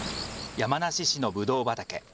山梨市のぶどう畑。